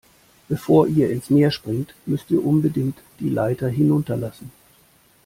Bevor ihr ins Meer springt, müsst ihr unbedingt die Leiter hinunterlassen.